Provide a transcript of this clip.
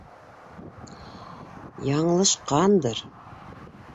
Яңылышҡандыр.